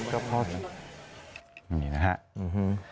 ก็พอดีนะฮะอื้อฮือ